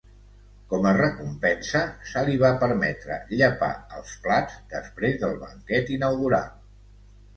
Com a recompensa, se li va permetre llepar els plats després del banquet inaugural.